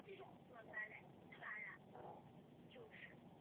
区役所设于东本町。